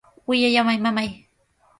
¡Wiyallamay, mamay!